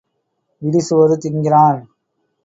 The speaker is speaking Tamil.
இடி சோறு தின்கிறான்.